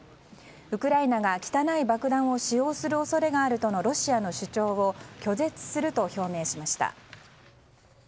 ウクライナが汚い爆弾を使用する恐れがあるとのロシアの主張を拒絶すると表明しました。